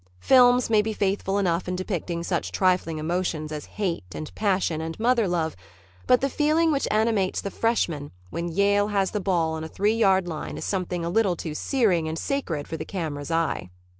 Films may be faithful enough in depicting such trifling emotions as hate and passion and mother love, but the feeling which animates the freshman when Yale has the ball on the three yard line is something a little too searing and sacred for the camera's eye.